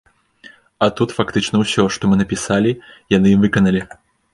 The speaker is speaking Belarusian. А тут фактычна ўсё, што мы напісалі, яны і выканалі.